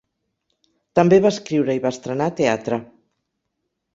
També va escriure i va estrenar teatre.